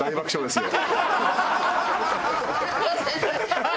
「ハハハハ！」